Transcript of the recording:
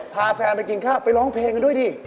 พาแฟนไปกินข้าวไปร้องเพลงกันด้วยดิ